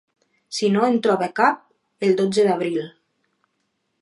Si no en troba cap, el dotze d’abril.